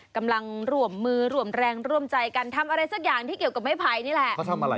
กำลังร่วมมือร่วมแรงร่วมใจกันทำอะไรสักอย่างที่เกี่ยวกับไม้ไผ่นี่แหละ